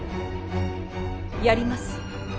やります。